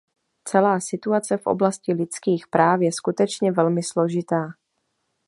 Celá situace v oblasti lidských práv je skutečně velmi složitá.